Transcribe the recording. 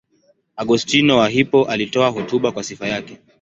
Augustino wa Hippo alitoa hotuba kwa sifa yake.